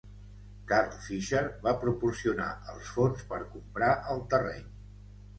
Carl Fisher va proporcionar els fons per comprar el terreny.